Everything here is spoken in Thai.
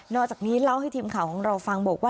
อกจากนี้เล่าให้ทีมข่าวของเราฟังบอกว่า